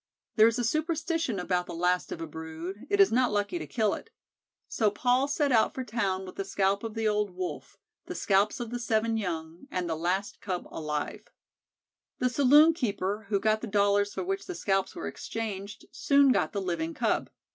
There is a superstition about the last of a brood it is not lucky to kill it. So Paul set out for town with the scalp of the old Wolf, the scalps of the seven young, and the last Cub alive. The saloon keeper, who got the dollars for which the scalps were exchanged, soon got the living Cub.